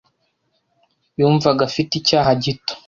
yumvaga afite icyaha gito.